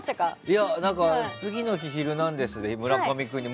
次の日「ヒルナンデス！」で村上君に。